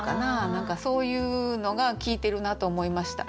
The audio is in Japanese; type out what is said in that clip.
何かそういうのが効いてるなと思いました。